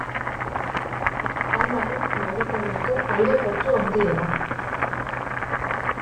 Han dago Mauritaniako aireportu handiena.